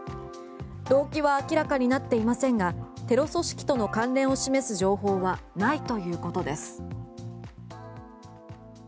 動機は明らかになっていませんがテロ組織との関連を示す情報はないということです。